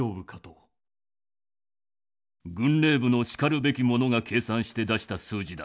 軍令部のしかるべきものが計算して出した数字だ。